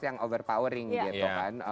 yang overpowering gitu kan